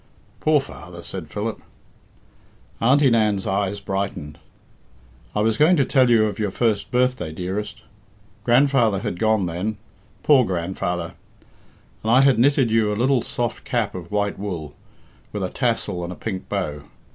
"Poor father!" said Philip. Auntie Nan's eyes brightened. "I was going to tell you of your first birthday, dearest. Grandfather had gone then poor grandfather! and I had knitted you a little soft cap of white wool, with a tassel and a pink bow.